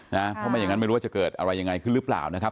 เพราะไม่อย่างนั้นไม่รู้ว่าจะเกิดอะไรยังไงขึ้นหรือเปล่านะครับ